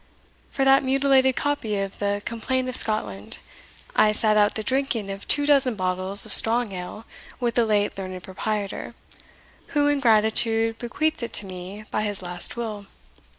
For that, mutilated copy of the Complaynt of Scotland, I sat out the drinking of two dozen bottles of strong ale with the late learned proprietor, who, in gratitude, bequeathed it to me by his last will.